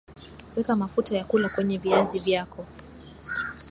weka mafuta ya kula kwenye viazi vyako